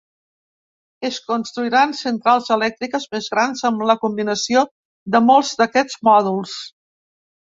Es construiran centrals elèctriques més grans amb la combinació de molts d'aquests mòduls.